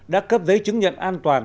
đã cấp giấy chứng nhận an toàn